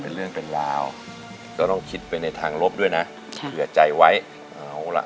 เป็นเรื่องเป็นราวก็ต้องคิดไปในทางลบด้วยนะเผื่อใจไว้เอาล่ะ